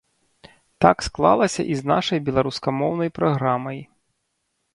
Так склалася і з нашай беларускамоўнай праграмай.